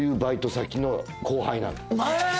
え！